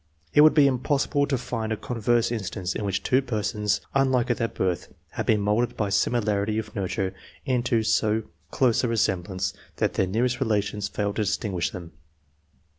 It would be impossible to find a converse instance in which two persons, unlike at their birth, had been moulded by simi larity of nurture into so close a resemblance that their nearest relations failed to distinguish them.